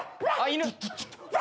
犬。